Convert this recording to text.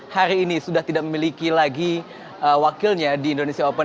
hari ini sudah tidak memiliki lagi wakilnya di indonesia open dua ribu sembilan belas